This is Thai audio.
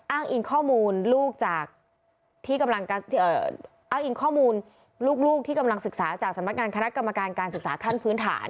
อ้างอิงข้อมูลลูกลูกที่กำลังศึกษาจากสมัครการคณะกรรมการการศึกษาขั้นพื้นฐาน